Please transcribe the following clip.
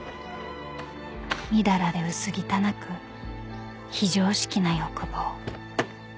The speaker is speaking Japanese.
みだらで薄汚く非常識な欲望］